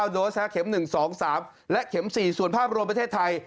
โดสเข็ม๑๒๓และเข็ม๔ส่วนภาพรวมประเทศไทย